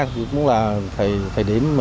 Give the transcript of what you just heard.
thì cũng là thời điểm